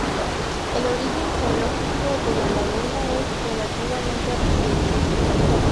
El origen geológico de la laguna es relativamente reciente.